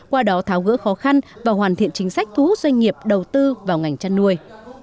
qua đó tháo gỡ khó khăn và hoàn thiện chính sách thu hút doanh nghiệp đầu tư vào ngành chăn nuôi